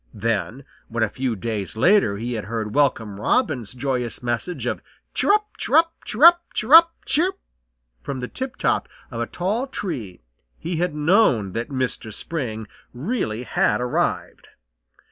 Then, when a few days later he had heard Welcome Robin's joyous message of "Cheer up! Cheer up! Cheer up! Cheer up! Cheer!" from the tiptop of a tall tree, he had known that Mistress Spring really had arrived.